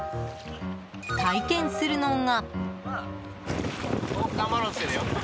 体験するのが。